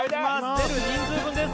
出る人数分です